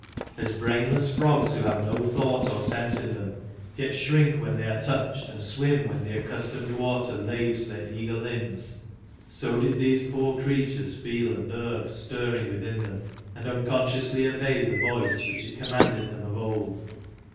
As brainless frogs who have no thought or sense in them, yet shrink when they are touched, and swim when the accustomed water laves their eager limbs, so did these poor creatures feel a nerve stirring within them, and unconsciously obey the voice which had commanded them of old.